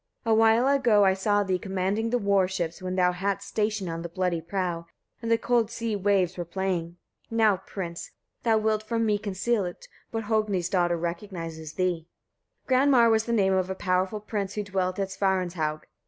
A while ago I saw thee commanding the warships, when thou hadst station on the bloody prow, and the cold sea waves were playing. Now, prince! thou wilt from me conceal it, but Hogni's daughter recognizes thee. Granmar was the name of a powerful prince who dwelt at Svarinshaug.